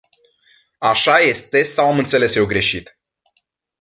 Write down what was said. Așa este sau am înțeles eu greșit?